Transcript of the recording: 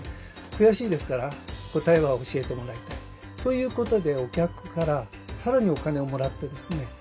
悔しいですから答えは教えてもらいたい。ということでお客から更にお金をもらってですね